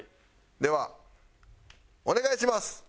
ではお願いします。